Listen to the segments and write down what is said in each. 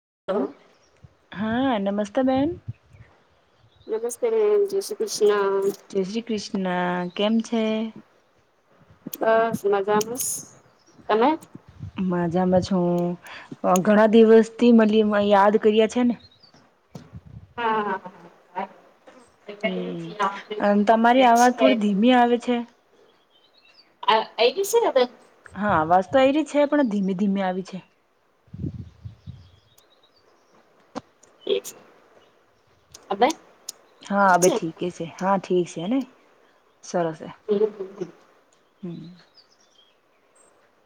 [inaudible] હા નમસ્તે બેહેન. નમસ્તે મેમ જય શ્રી કૃષ- જય શ્રી કૃષ્ણ કેમ છે? બસ મઝામ તમે. માજામાં છુ હું ઘણા દિવસથી મ યાદ કર્યા છે ને. [inaudible] હા હાા. હમ તમારી અવાજ થોડી [inaudible] ધીમી આવે છે આ આઈજશે ને હવે હા અવાજ તો આઈ રહી છે પણ ધીમે ધીમે આવી છે. [unintelligible] હા બે ઠીક છે હા ઠીક છે હેને. [unintelligible] હમ.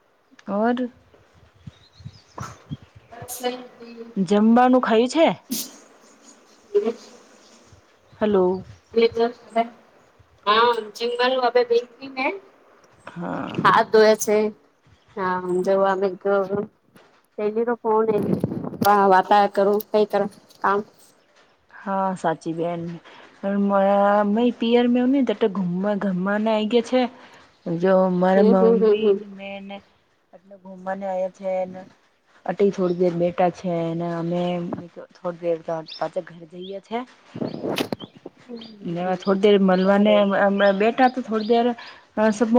[unintelligible] જમવાનું ખાય છે. [unintelligible] હલો હા. જમવાનું અવે બેઠી મે હા તો એ છે હા જવા ગ પલી તો ફોન વાતાર કરું કઈ કર કામ હા સાચી બેહેન મેરી પિર મે હ ગવા ગવાને આઈ ગય છે જો મારા હમ હમ મમ્મી હમ ને મેને એટલે ઘુમવાને આવ છે ને અટલી થોડી દેર બેટા છે અમે થોડી દેર પાક ઘરે જઈ છે હમ થોડી દેર મળવાને સારું બેઠા થોડી દેર સમ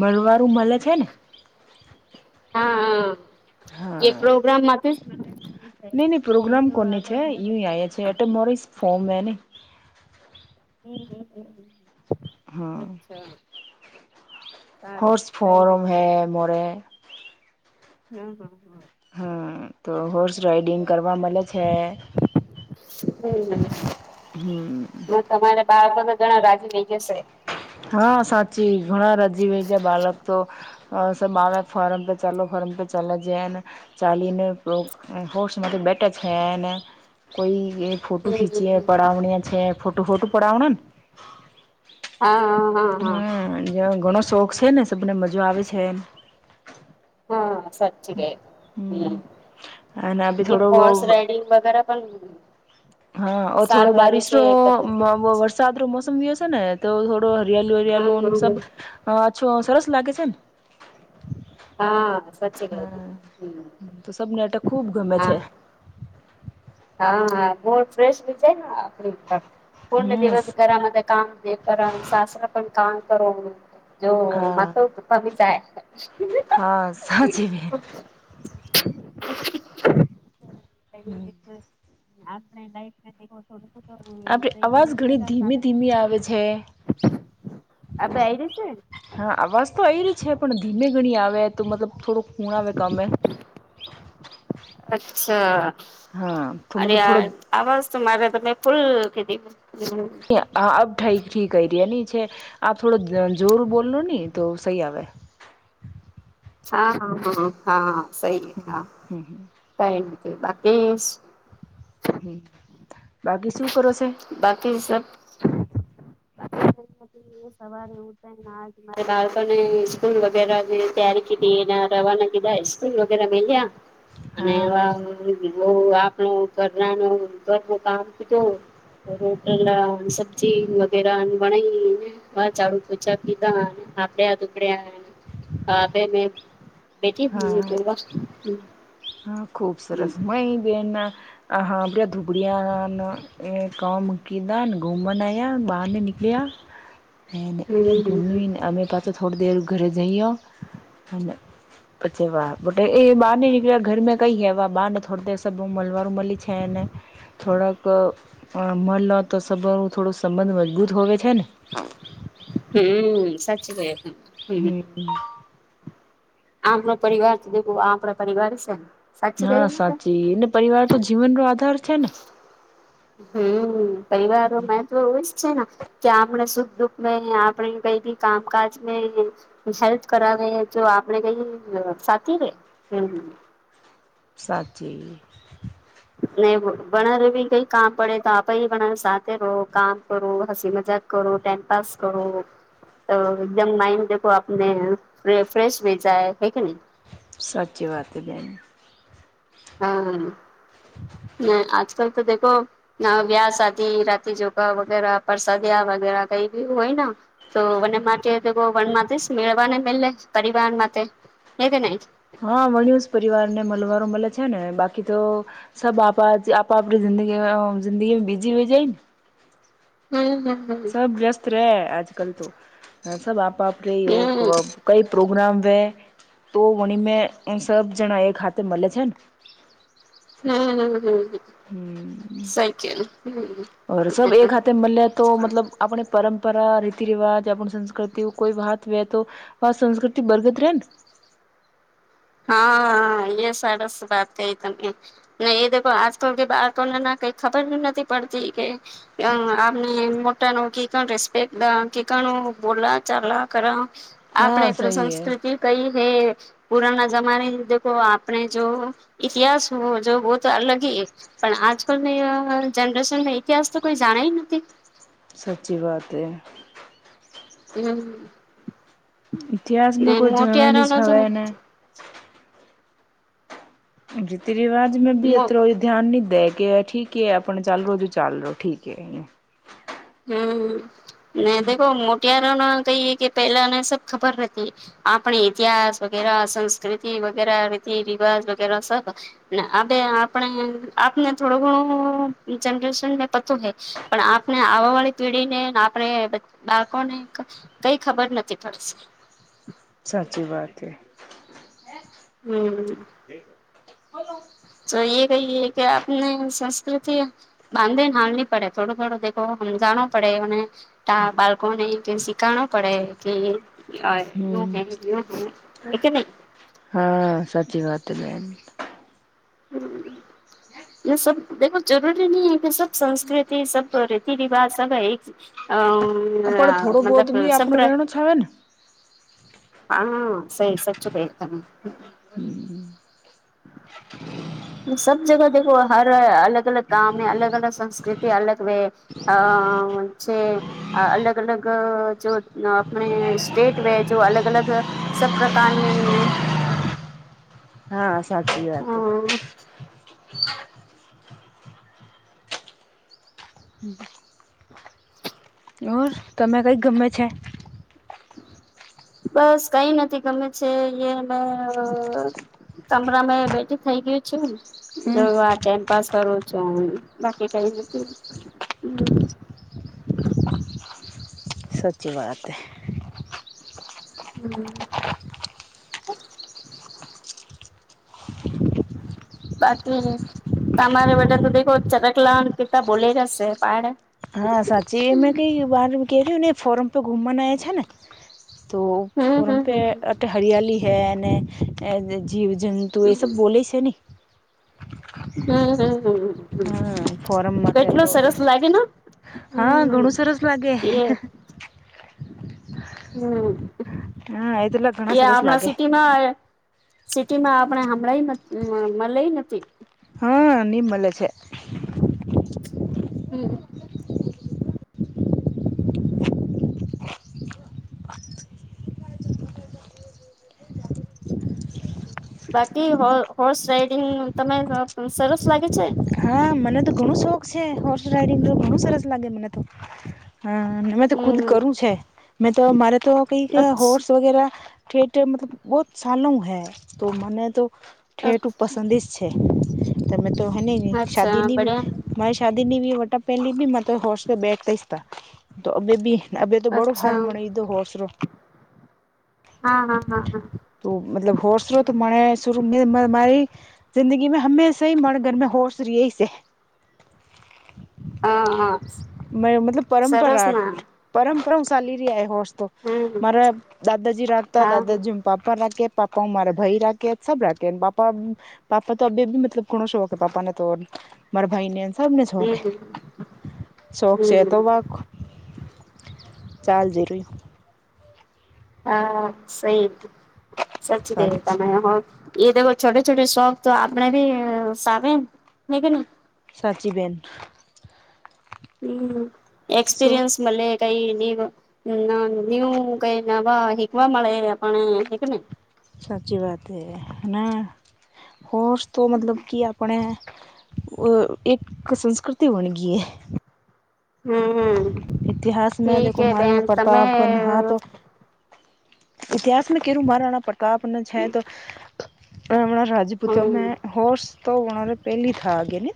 મલવારું મળે છે ને, હા હ એ હા પ્રોગ્રામમાંથી નહી ન પ્રોગ્રામ કોન છે છે એ મોરી ફોમ મેને [unintelligible] હમ્મ અચ્છા સારું હોર્સ કઈ ફોરમ હે મોરે. હમ્મ હમ્મ હમ્મ તો હોર્સ રાઈડિંગ કરવા મળે છે હમ્મ હમ ને તમારે બાળકો ઘણા રાજી લઈ જ હશે હા સાચી અ સ બાળ ફોર્મ પે ચાલો ફોર્મ પે ચાલ જન ચાલીને હો બેટ છેન કોઈ એ ફોટું હમ ખીંચી હમ પડાવણીય છે. ફોટું ફોટું પડાવણ ને હા! હા હા હા હમ્મ, ઘણો શોખ છે, ને સને મજા આવે છે એમ સાચીરે હમ્મ! અને બી એ થોડો હોર્સ રાઈડિંગ વગેરે પણ હા, થોડો સારું લાગે છે બારીશનો એક વરસાદ રો મોસમયોશે ને તો હરિયાળુ હરિયાલુ હા સબછો સરસ લાગે છે ને, હા સાચી ગ હા, તો સબનેટક ખુબ ગમે હા છે [inaudible] હા હા! ફ્રેશ જાય આપણી પૂર્ણ હમ દિવસ ઘરામાં કામ કર સસરા પણ કામ કરો જો હા મા તોું કમી જાય. હા સાચ બેન. એક આપણે લાઈફ થડ. તો આપડી તો એક અવાજ નવીન ઘણી પ્રકાર ધીમી પા ધીમી આવે છે આ બેયરી છે ને હા અવાજ તો એ ર છે પણ ધીમે ગણી આવે તો મતલબ થોડોક ખૂણ આવે કમે અચ્છા હા તો અને મતલબ થોડો આવા તો મારે તમે ફૂલ કીધી અબ ઠીક ઠીક કર ર આપ થોડો જોર બોલલો હી તો સહી આવે હા હા હા હા! સહી હા હમ કઈ નહી. બાકી હમ્મ! બાકી શું કરો છે, બાકી સબ [inaudible] સવારે ઉઠરા બાળકોને સ્કૂલ વગડવા જોઈ ત્યારે. એના રવાના કીધાસ્કૂલ વગેરે મેલ્યા અને હા હો, આપણોરાનો કામ કીધું રોટલા સબ્જી વગેરા ભણને ઝાડુ પોચા પીધા આપડ્યા દુકડ્યા આપે ને, હા હા! ખુબ સરસ મય બેન આ હા આપ ધુબડિયા એ કામ કીધ ઘુમનયા બાર એ નીકળ્યા ઘુમને અમે પાછો થોડી દેર ઘરે જઈઓ [unintelligible] પછ વા બટે એ બહાર નનીળ્યા ઘરં કઈ હૈ વા બહાર ના થોડે સમલવા. નોર્મલી છે અને થોડાોક. મળલો તો સભર થોડું સંબંધ મજબૂત હોવે છે ને. હમ! સાચી છે. હમ! આપણો પરિવાર દેખું આપણા પરિવાર છે ને. સાચી હા, કહ્યું તમે સાચી ને પરિવાર તો જીવનનો આધાર છે ને. હમ પરિવારોમાં તો એવું જ છે ને. કે આપણે સુખ દુખ આપણે કઈ કામકાજને હેલ્પ કરાવે તો. આપે કઈ સાચી રે હમ. સાચી. ન વણર ભી કઈ કામ પડે તો આપ વણર સાથે રહો કામ કરો હસી મત. ટાઈમ ટમ પાસ કરું તો એકદમ માઇન્ડ દો આપને ફ્રેશ ભેચાય. સાચી વાત એ બેની. હા! ને આજકલ તો દેખો ના વ્યા શાદી રાતી જોગા વગેરા પરસાદી આવે. વગેરા કઈ બી હોય ન તો વને માટે તો દેખો વનમાંથી મેળવાને મેેલે પરિવાર માટે હે કે નહીં? હા વણ્યું જ પરિવારને મલવારો મળે છે ને બાકી તો સબ આપા આપા આપણે જિંદગીમેં જિંદગીમેં બીજી હોય જાઈને હમ હમ હમ સબ વ્યસ્ત રે આજકલ તો સબ આપ આપરી ઓક હમ કઈ પ્રૂફ પ્રોગ્રામ વે તો ઊણી મેં સબ જણા એક હાથે મલે છે ને? હમ હમ હમ હમ સહી કેવું ઓર સબ હમ એક હાથે મલે તો મતલબ આપણે પરંપરા, રીતિ રિવાજ, આપણ સંસ્કૃતિ કોઈ વાત વે તો આ સંસ્કૃતિ બરગદ રેન? [inaudible] હા એ સરસ વાત કઈ તમે ને એ દખો આજકલ કે બાળકોને ને કઈ ખબર નથી પડતી કે અ ને મોટાનું કી કણ રિસ્પેક્ટ કી કણ નું બોલાચાલા કરા હા આપણે આપણી સહી હે સંસ્કૃતિ કઈ હે પુરાના ઈ લોકો આપણે જો ઇતિહાસ હો જો વો તો અલગ છે. પણ આજકલની જનરેશનને ઇતિહાસ તો કોઈ જાણે એ નથી. સચી વાત એ હમ ને ઇતિહાસમાં કોઈ જણવાની મોટિયારો જ ન તો હવે એને રીતિ રિવાજ મેં બી મો એત્રરો ઈ ધ્યાન ની દે. કે ઠીકે આપણ ચાલ રો બી ચાલ રો ઠીક એ હમ મેં દેખો મો અત્યારો નો કહીએ કે પેલાને સબ ખબર હતી આપણે ઇતિહાસ વગેરા સંસ્કૃતિ વગેરા રીતિ રિવાજ વગેરે સબ ને હવે આપણે આપને થોડું ઘણું જનરેશનને પતો હૈ પણ આપને આવવા વાળી પેઢીને ને આપણે બાળકોને કઈ ખબર નથી પડસે. સાચી વાત હે. હમ તો ઈ એ કહીએે કે આપને સંસ્કૃતિ બાંધીને હાલની પડે થોડું થોડું દેખો સમજાણો પડે અને બાળકોને કે શીખાણો પડે કે અ હમ હે કે નહીં? હા [inaudible] યે સબ દેખો જરૂરી ની હે કે સબ સંસ્કૃતિ સબ રીતિ રિવાજ સબ હે અ હહ પણ આ થોડો બહોત મતલબ બી આપણો સંપ્ર રહેણો છાવે ને હા સહી સચી કહી તમે [inaudible] સબ જગહ દેખો હર અલગ અલગ કામ હે, અલગ અલગ સંસ્કૃતિ, અલગ વે અ છે અલગ અલગ જો આપણે સ્ટેટ વે જો અલ અલગ અલગ સબ પ્રકારની હા સાચી વાતે હમ [unintelligible] [inaudible] ઓર તમે કઈ ગમે છે? બસ કઈ નથી ગમે છે. યે મેં તમરા મેં બેઠી થઇ ગઈ છું. જો હમ આ ટેમપાસ કરવું છું. બાકી કઈ નથી. [inaudible] સચી વાતે હમ્મ [inaudible] બાકી તમારે વ તો દેખો ચરકલા કિતા બોલી જશે પડ. હા, સાચી મેં કઈ વાર કે્યું ને ફોરમ પર ઘુમવાના આવ છે ને. તો ફોરન હમ પે હમ હરિયાળલી હૈ ને જીવ જંતુ એ સબ હમ બોલે છે ને. હમ હમ ફોરમમાં તે કેટલો તો બે સરસ લાગે ને. હા હમ ઘણું સરસ લાગે. એ હમ, હા એટલા ઘણા એ સરસ આપણા લાગે સિટી માં. સિટી માં આપણે હમણાં મળે નથી. હા, નિ મળે છે. હમ્મ બાકી હોર્સ રાઈડિંગ તને સરસ લાગે છે. હા, મને તો ઘણું શોખ છે, હોર્સ રાઈડિંગતો ઘણું સરસ લાગે મને તો. હા, મેં તો ખુદ હમ કરું છે, મેં તો મારે તો કઈક હોર્સ અચ્છા વગેરા ઠેઠ મતલબ ઓછાલૂમ હે તો મને તો ઠેઠ પસંદી જ છે. તમે તો હને અચ્છા શાદી નની બડિયા મારે શાદી. દ નવી વટ પે લ ભી મ હર્સ દ બેટ તઈસ્તા. તો અ બી અ તો બડો ફાર્મ અચ્છા ભીધો હોસરો. હા હા હા હા તો મતલબ હોર શ્રોત મને શ મારી. જિંદગી મે હમેશા મણગરમાં હોશ રએ. હા હા મતલબ સરસ પરંપરા ના પરંપરાઓશી રહ્યા હો. તો હમ મારા દાદાજી રાખતા હા દાદાજી પાપા રાખે. પાપા મારા ભાઈ રાખે સબ રાખે પાપા પાપા તો અ બેી મતલબ ઘણો શો હો પાપાને. તો મારા ભાઈને. સમને શોકે હમ શો છેશે હમ તેવા. ચાલ જરૂરી. હા, સહી સચી રહ્યું દેતા મે હો. એ દખો છોટે છોટે શખ તો આપણે ભી સામે હે કે ન. સાચી બેન. હમ્મ શું એક્સપીરયન્સ મલે કઈ નું કઈ નવા શીકવા મળે આપ હીક ને. સાચી વાત એ હ હોર્સ તો મતલબ કે આપણે. અ એક સંસ્કૃતિ બન ગઈ એ. હમ્મ ઇતિહાસ મે દેખો મહારાણા પ્રતાપ નહા તો ઇતિહાસ માં કેરુ મહારાણા પ્રતાપને છે તો હમ રાજપૂતોમાં હોર્સ તો રે પહેલી થા આગે [unintelligible]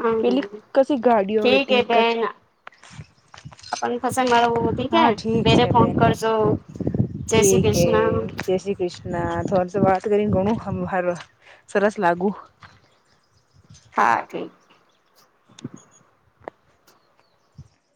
હમ પેલી કસી ગાડીઓવે ઠીક ત હે એક જ. બેન છે બેન [unintelligible] ઠીક હે કૃષ્ણ જય શ્રી કૃષ્ણ થો [unintelligible] સરસ લાગુ હું. હા ઠીક.